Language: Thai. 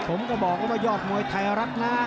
ผมก็บอกว่ายอดมวยไทยรัฐนะ